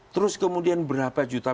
terus kemudian berapa juta